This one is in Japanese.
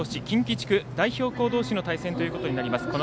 近畿地区代表どうしの対戦となります